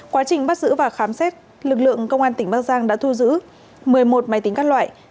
quá trình bắt giữ và khám xét lực lượng công an tỉnh bắc giang đã thu giữ một mươi một máy tính các loại